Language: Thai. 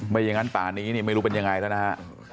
อย่างนั้นป่านี้นี่ไม่รู้เป็นยังไงแล้วนะฮะ